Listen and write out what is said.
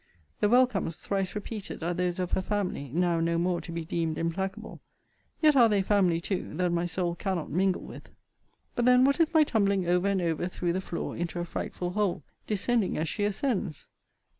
The welcomes, thrice repeated, are those of her family, now no more to be deemed implacable. Yet are they family, too, that my soul cannot mingle with. But then what is my tumbling over and over through the floor into a frightful hole, descending as she ascends?